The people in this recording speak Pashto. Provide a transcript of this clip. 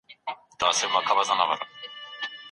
اسلام د خطاګانو کفاره د مرييانو ازادول وټاکل.